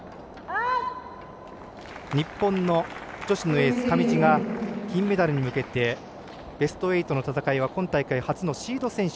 日本の女子のエース上地が金メダルに向けてベスト８の戦いは今大会初のシード選手